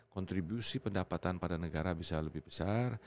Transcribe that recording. kontribusi pendapatan pada negara bisa lebih besar